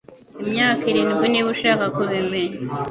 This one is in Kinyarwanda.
Imyaka irindwi, niba ushaka kubimenya.